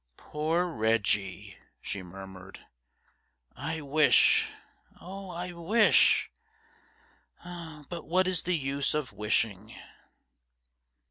'Poor Reggie!' she murmured. 'I wish I wish but what is the use of wishing?'